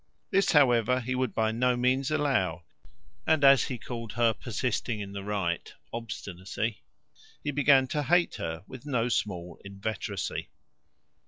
This, however, he would by no means allow; and as he called her persisting in the right, obstinacy, he began to hate her with no small inveteracy.